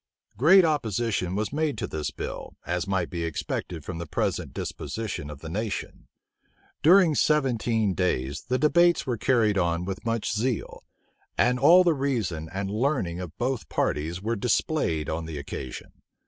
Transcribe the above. Great opposition was made to this bill, as might be expected from the present disposition of the nation. During seventeen days, the debates were carried on with much zeal; and all the reason and learning of both parties were displayed on the occasion.